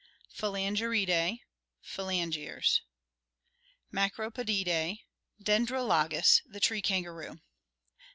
Phalange ridae, phalange rs. Macropodidae : Dendrolagus, the tree kangaroo.